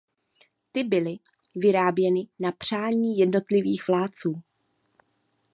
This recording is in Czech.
Ty byly vyráběny na přání jednotlivých vládců.